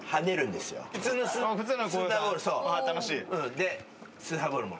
でスー歯ーボールも。